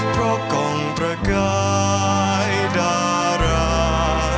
เพราะกองประกายดารา